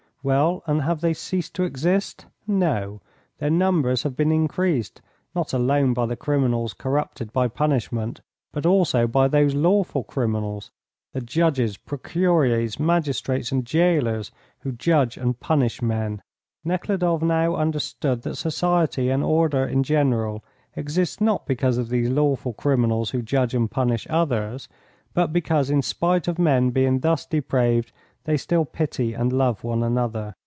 Well, and have they ceased to exist? No; their numbers have been increased not alone by the criminals corrupted by punishment but also by those lawful criminals, the judges, procureurs, magistrates and jailers, who judge and punish men. Nekhludoff now understood that society and order in general exists not because of these lawful criminals who judge and punish others, but because in spite of men being thus depraved, they still pity and love one another.